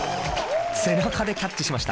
背中でキャッチしました。